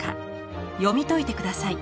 読み解いて下さい。